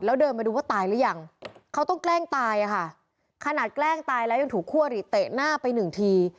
แล้วเดินมาดูว่าตายหรือยังเขาต้องแกล้งตายอะค่ะขนาดแกล้งตายแล้วยังถูกคั่วหรี่เตะหน้าไปหนึ่งที